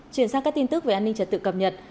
chuyển sang các tin tức về an ninh trật tự cập nhật